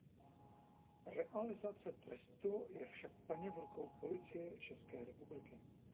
Realizace trestu je však plně v rukou Policie České republiky.